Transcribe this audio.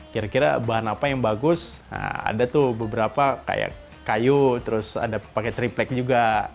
kira kira bahan apa yang bagus ada tuh beberapa kayak kayu terus ada pakai triplek juga